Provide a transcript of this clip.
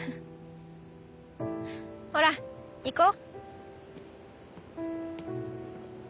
ほら行こう！